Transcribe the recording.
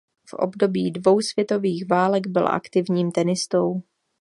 V období dvou světových válek byl aktivním tenistou.